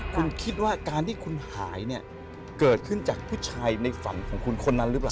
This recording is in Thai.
คุณคิดว่าการที่คุณหายเนี่ยเกิดขึ้นจากผู้ชายในฝันของคุณคนนั้นหรือเปล่า